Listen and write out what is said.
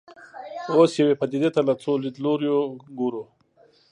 اوس یوې پدیدې ته له څو لیدلوریو ګورو.